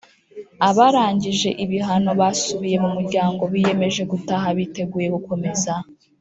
Abarangije ibihano basubiye mu muryango biyemeje gutaha biteguye gukomeza